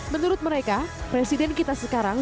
menurut mereka presiden kita sekarang